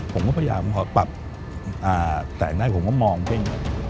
ผมก็พยายามพอปรับแสงได้ผมก็มองเป็นอย่างนี้